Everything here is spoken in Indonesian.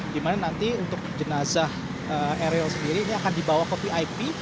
di mana nanti untuk jenazah eril sendiri ini akan dibawa ke vip